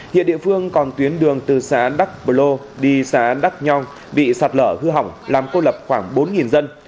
hiện địa phương còn tuyến đường từ xã đắc bờ lô đi xã đắc nhong bị sạt lở hư hỏng làm cô lập khoảng bốn dân